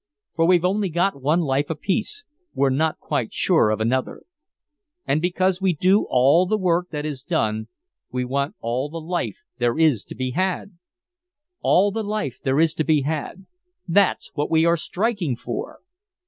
For we've only got one life apiece we're not quite sure of another. And because we do all the work that is done we want all the life there is to be had! All the life there is to be had that's what we are striking for!